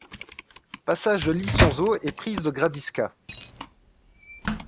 Passage de l'Isonzo et prise de Gradisca.